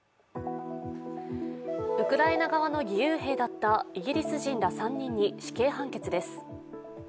ウクライナ側の義勇兵だったイギリス人ら３人に死刑判決です。